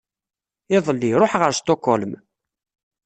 Iḍelli, ruḥeɣ ar Stockholm.